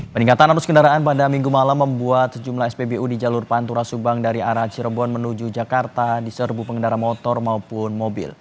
peningkatan arus kendaraan pada minggu malam membuat sejumlah spbu di jalur pantura subang dari arah cirebon menuju jakarta diserbu pengendara motor maupun mobil